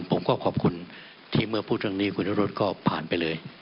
ผมก็ขอบคุณที่เมื่อพูดเรื่องนี้คุณนรสก็ผ่านไปเลย